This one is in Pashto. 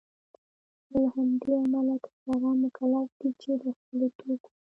نوله همدې امله تجاران مکلف دی چي دخپلو توکو